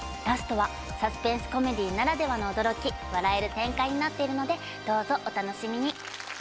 ラストはサスペンスコメディーならではの驚き笑える展開になっているのでどうぞお楽しみに。